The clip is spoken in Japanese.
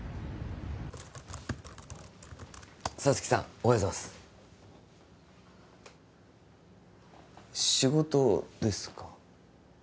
おはようございます仕事ですか？